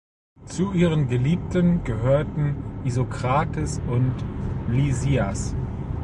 Zu ihren Geliebten gehörten Isokrates und Lysias.